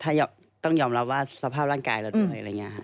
ถ้าต้องยอมรับว่าสภาพร่างกายเราด้วยอะไรอย่างนี้ครับ